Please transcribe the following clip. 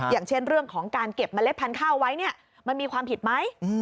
อย่างเช่นเรื่องของการเก็บเมล็ดพันธุ์ข้าวไว้เนี่ยมันมีความผิดไหม